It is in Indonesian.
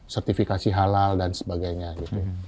sertifikasi halal dan sebagainya gitu